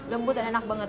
gembut dan enak banget